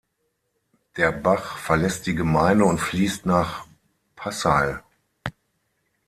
Der Bach verlässt die Gemeinde und fließt nach Passail.